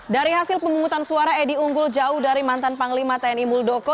dari hasil pemungutan suara edi unggul jauh dari mantan panglima tni muldoko